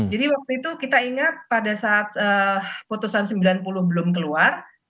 jadi waktu itu kita ingat pada saat putusan sembilan puluh belum keluar